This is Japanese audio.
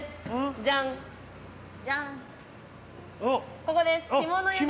ここです。